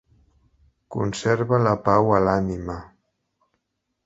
Conserva la pau a l'ànima.